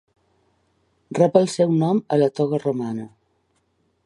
Rep el seu nom a la toga romana.